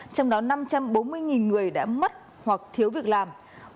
trong đó năm trăm bốn mươi người đã mất hoặc thiếu việc làm